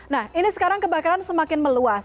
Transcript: nah ini sekarang kebakaran semakin meluas